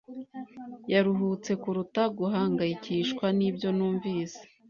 yaruhutse kuruta guhangayikishwa nibyo numvise.